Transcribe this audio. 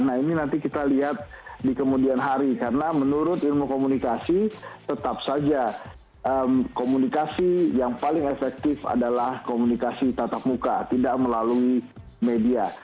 nah ini nanti kita lihat di kemudian hari karena menurut ilmu komunikasi tetap saja komunikasi yang paling efektif adalah komunikasi tatap muka tidak melalui media